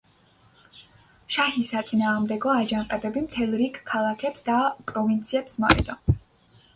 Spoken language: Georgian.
შაჰის საწინააღმდეგო აჯანყებები მთელ რიგ ქალაქებს და პროვინციებს მოედო.